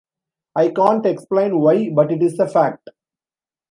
I can’t explain why, but it is a fact.